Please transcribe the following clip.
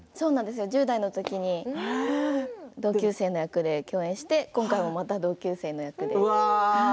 １０代の時に同級生の役で共演してまた今回も同級生の役で。